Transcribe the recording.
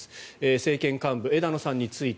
政権幹部、枝野さんについて。